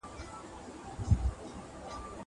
ځکه مور و پلار ژوندي وه